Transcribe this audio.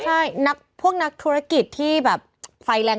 ใช่นักพวกนักธุรกิจที่แบบไฟแรง